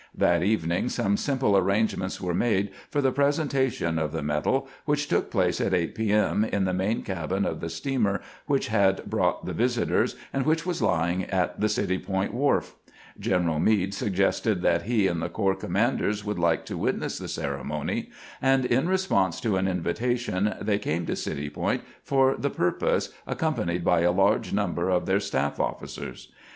That evening some simple arrangements were made for the presentation of the medal, which took place at 8 p. m, in the main cabin of the steamer which had brought the visitors, and which was lying at the City Point wharf. General Meade sug gested that he and the corps commanders would like to witness the ceremony, and in response to an invitation they came to City Point for the purpose, accompanied by a large number of their staff oflS.cers.